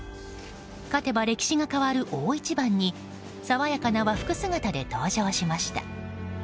勝てば歴史が変わる大一番に爽やかな和服姿で登場しました。